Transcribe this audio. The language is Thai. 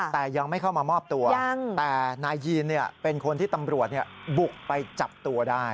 แต่ยังไม่เข้ามามอบตัวแต่นายยีนเป็นคนที่ตำรวจบุกไปจับตัวได้